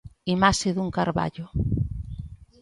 Imaxe dun carballo.